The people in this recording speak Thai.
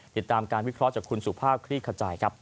ติดตามการวิเคราะห์จากคุณสุภาพคลี่ขจายครับ